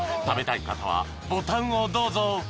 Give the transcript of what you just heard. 食べたい方はボタンをどうぞ］